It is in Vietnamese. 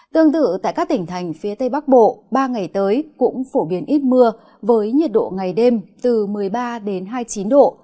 tương tự tại các tỉnh thành phía tây bắc bộ ba ngày tới cũng phổ biến ít mưa với nhiệt độ ngày đêm từ một mươi ba hai mươi chín độ